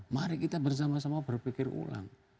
mari kita bersama sama berpikir ulang